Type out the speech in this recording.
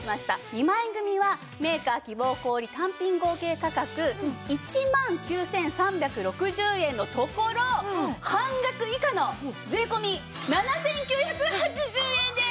２枚組はメーカー希望小売単品合計価格１万９３６０円のところ半額以下の税込７９８０円です。